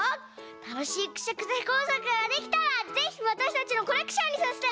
たのしいくしゃくしゃこうさくができたらぜひわたしたちのコレクションにさせてね！